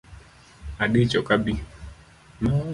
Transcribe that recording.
Adich ok abi